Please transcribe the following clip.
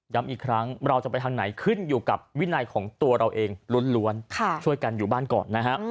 อีกครั้งเราจะไปทางไหนขึ้นอยู่กับวินัยของตัวเราเองล้วนช่วยกันอยู่บ้านก่อนนะฮะ